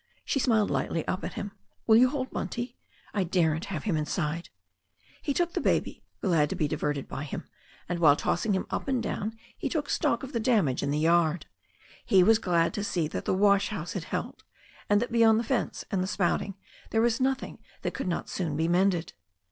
She smiled lightly up at him. "Will you hold Bunty? I daren't have him inside." He took the baby, glad to be diverted by him, and while tossing him up and down he took stock of the damage in the yard. He was glad to see that the wash house had held, and that beyond the fence and the spouting there was nothing that could not soon be mended.